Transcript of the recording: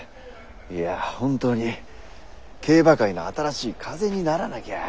いや本当に競馬界の新しい風にならなきゃ。